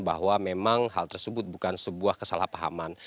bahwa memang hal tersebut bukan sebuah kesalahpahaman